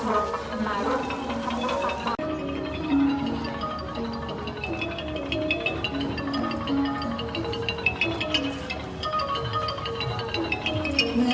สวัสดีครับข้างหลังครับ